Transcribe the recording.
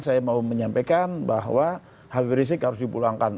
saya mau menyampaikan bahwa habib rizik harus dipulangkan